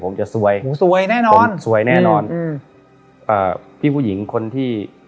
ผมจะซวยผมซวยแน่นอนผมสวยแน่นอนอืมอ่าพี่ผู้หญิงคนที่